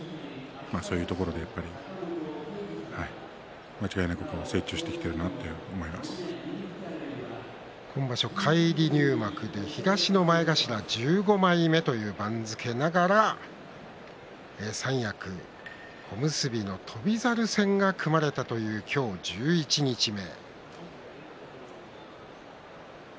そういうところで、やっぱり間違いなく今場所、返り入幕で東の前頭１５枚目という番付ながら三役小結の翔猿戦が組まれたという今日、十一日目。